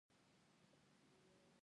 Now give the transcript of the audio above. آیا حکومت په زیربناوو پانګونه نه کوي؟